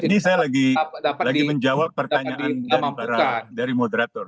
ini saya lagi menjawab pertanyaan dari moderator